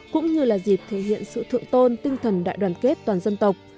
cũng như là dịp thể hiện sự thượng tôn tinh thần đại đoàn kết toàn dân tộc